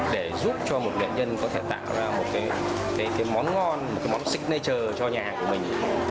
để giúp cho một nghệ nhân có thể tạo ra một cái món ngon một cái món signature cho nhà hàng của mình